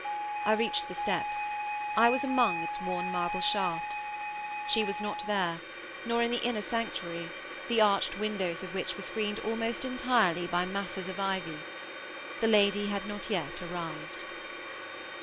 I reached the steps; I was among its worn marble shafts. She was not there, nor in the inner sanctuary, the arched windows of which were screened almost entirely by masses of ivy. The lady had not yet arrived.